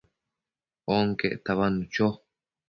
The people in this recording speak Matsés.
onquec tabadnu cho